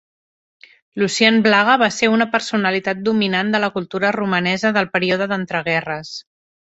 Lucian Blaga va ser una personalitat dominant de la cultura romanesa del període d'entreguerres.